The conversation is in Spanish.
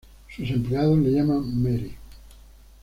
Sus empleados le llaman Mary.